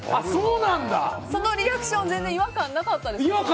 そのリアクション、全然違和感なかった。